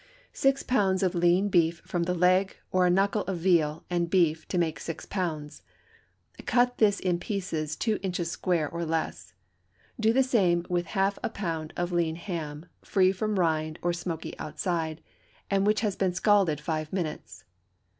Six pounds of lean beef from the leg, or a knuckle of veal and beef to make six pounds. Cut this in pieces two inches square or less; do the same with half a pound of lean ham, free from rind or smoky outside, and which has been scalded five minutes.